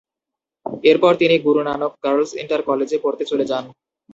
এরপর তিনি Guru Nanak girls inter কলেজে পড়তে চলে যান।